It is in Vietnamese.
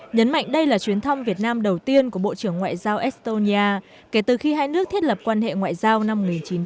nhấn mạnh đây là chuyến thăm việt nam đầu tiên của bộ trưởng ngoại giao estonia kể từ khi hai nước thiết lập quan hệ ngoại giao năm một nghìn chín trăm bảy mươi